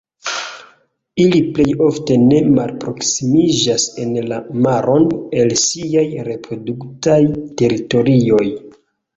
Ili plej ofte ne malproksimiĝas en la maron el siaj reproduktaj teritorioj.